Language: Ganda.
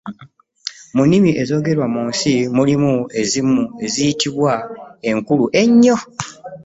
Mu nnimi ezoogerwa mu nsi mulimu ezimu eziyitibwa enkulu ennyo.